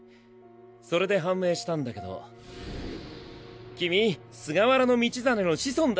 それで判明したんだけど君菅原道真の子孫だった。